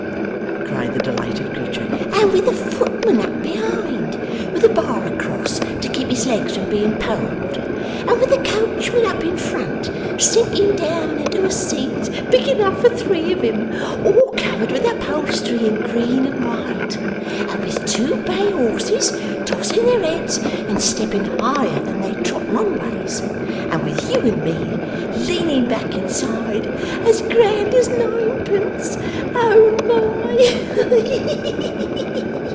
cried the delighted creature. 'And with a footman up behind, with a bar across, to keep his legs from being poled! And with a coachman up in front, sinking down into a seat big enough for three of him, all covered with upholstery in green and white! And with two bay horses tossing their heads and stepping higher than they trot long ways! And with you and me leaning back inside, as grand as ninepence! Oh h h h My!